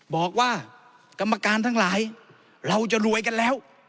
บอกว่ากรรมการทั้งหลายเราจะรวยกันแล้ว